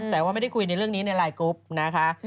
แต่ว่าไม่ได้คุยในเรื่องนี้ในไลน์กรุ๊ปนะคะ